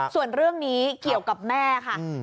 ส่วนเรื่องนี้เกี่ยวกับแม่ค่ะ